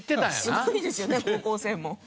すごいですよね高校生も。